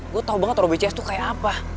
gue tau banget robby cs tuh kayak apa